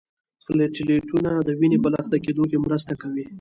پلیټلیټونه د وینې په لخته کیدو کې مرسته کوي